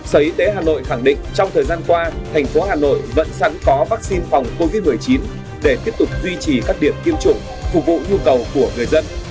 sở y tế hà nội khẳng định trong thời gian qua thành phố hà nội vẫn sẵn có vaccine phòng covid một mươi chín để tiếp tục duy trì các điểm tiêm chủng phục vụ nhu cầu của người dân